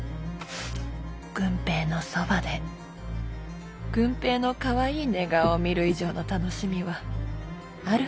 郡平のそばで郡平のカワイイ寝顔を見る以上の楽しみはあるはずもないから。